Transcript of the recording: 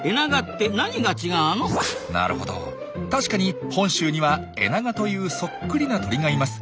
なるほど確かに本州にはエナガというそっくりな鳥がいます。